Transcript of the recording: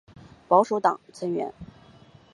保守党成员。